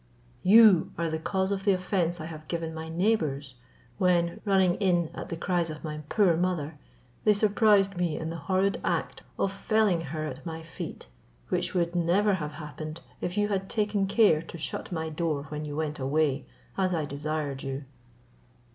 You are the cause of the offence I have given my neighbours, when, running in at the cries of my poor mother, they surprised me in the horrid act of felling her at my feet; which would never have happened, if you had taken care to shut my door when you went away, as I desired you.